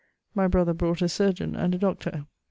My brother brought a surgeon and a doctor.